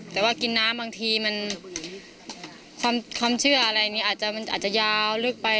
แต่ว่ากินน้ำบางทีมันความเชื่ออะไรนี้อาจจะยาวลึกไป